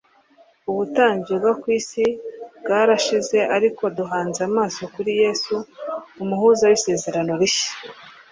Ubutambyi bwo ku isi bwarashize ariko duhanze amaso kuri Yesu: "Umuhuza w'Isezerano Rishya."